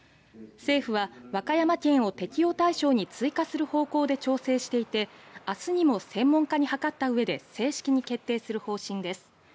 政府は和歌山県を適用対象に追加する方向で調整していて明日にも専門家に諮ったうえで正式に決定する方針です。